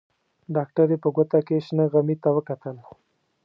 ډاکټرې په ګوته کې شنه غمي ته وکتل.